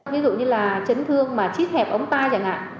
ví dụ như là chấn thương mà chít hẹp ống tay chẳng hạn